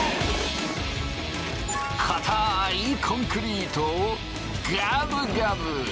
固いコンクリートをガブガブ！